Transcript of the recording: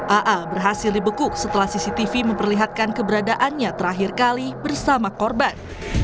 aa berhasil dibekuk setelah cctv memperlihatkan keberadaannya terakhir kali bersama korban